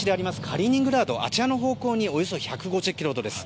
カリーニングラードあちらの方向におよそ１５０ｋｍほどです。